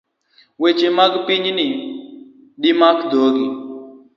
Weche mag pinyin be dimak dhogi